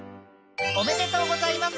おめでとうございます！